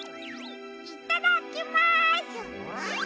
いただきます！